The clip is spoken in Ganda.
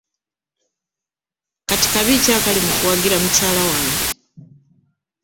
Kati kabi ki akali mu kuwagira mukyala wange?